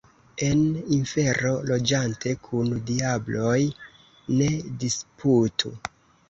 En infero loĝante, kun diabloj ne disputu.